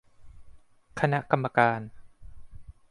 คณะกรรมการ